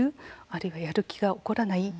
あるいはやる気が起こらない？